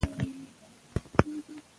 که جهیز کم وي نو واده نه ځنډیږي.